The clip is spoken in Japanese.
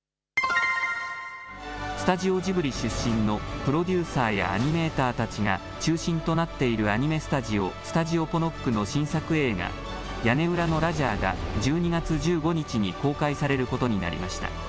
スタジオジブリ出身のプロデューサーやアニメーターたちが中心となっているアニメスタジオ、スタジオポノックの新作映画、屋根裏のラジャーが１２月１５日に公開されることになりました。